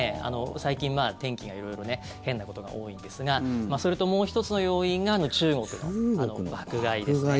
最近、天気が色々変なことが多いんですがそれともう１つの要因が中国の爆買いですね。